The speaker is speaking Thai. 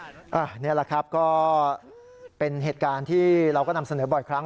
นี่แหละครับก็เป็นเหตุการณ์ที่เราก็นำเสนอบ่อยครั้ง